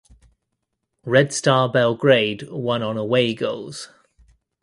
Red Star Belgrade won on away goals.